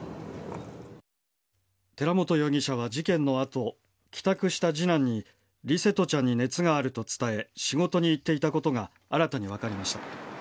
寺本容疑者は事件のあと、帰宅した次男に、琉聖翔ちゃんに熱があると伝え、仕事に行っていたことが新たに分かりました。